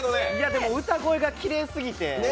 でも、歌声がきれいすぎて。